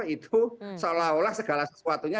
itu seolah olah segala sesuatunya